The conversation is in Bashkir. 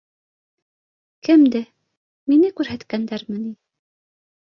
— Кемде? Мине күрһәткәндәрме ни?